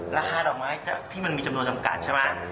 ราคาดอกไม้ที่มันมีจำนวนจำกัดใช่ไหม